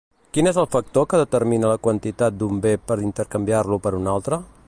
Quin és el factor que determina la quantitat d'un bé per intercanviar-lo per un altre?